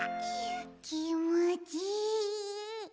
きもちいい。